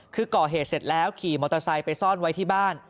คือก่อเหตุเสร็จแล้วขี่มอเตอร์ไซค์ไปซ่อนไว้ที่บ้าน